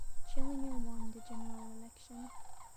Schillinger won the general election.